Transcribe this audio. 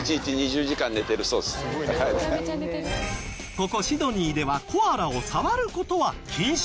ここシドニーではコアラを触る事は禁止。